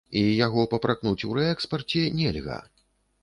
І яго папракнуць у рээкспарце нельга.